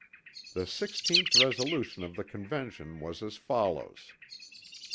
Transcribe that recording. The 16th resolution of the Convention was as follows: "16.